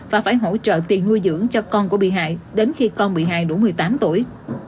và phải hỗ trợ tiền nuôi dưỡng cho con của bị hại đến khi con bị hại đủ một mươi tám tuổi